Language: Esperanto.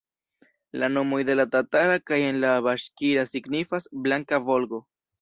La nomoj en la tatara kaj en la baŝkira signifas "blanka Volgo".